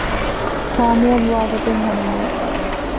ކާމިޔާބުވާގޮތެއް ހަމަ ނުވި